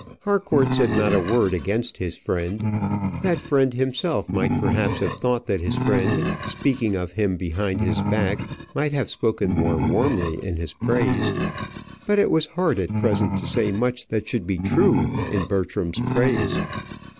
Harcourt said not a word against his friend. That friend himself might perhaps have thought that his friend, speaking of him behind his back, might have spoken more warmly in his praise. But it was hard at present to say much that should be true in Bertram's praise.